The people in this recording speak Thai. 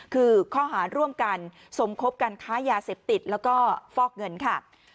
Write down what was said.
คือข้อหาร่วมกันสมคบกันค้ายาเสพติดแล้วก็ฟอกเงินค่ะ